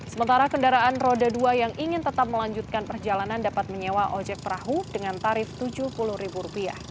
sementara kendaraan roda dua yang ingin tetap melanjutkan perjalanan dapat menyewa ojek perahu dengan tarif rp tujuh puluh